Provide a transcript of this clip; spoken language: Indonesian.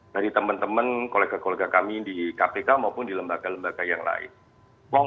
dari teman teman kolega kolega kami di kpk maupun di lembaga lembaga yang lain